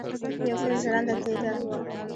یو څه ژرنده تېره وه.